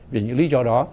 vì những lý do đó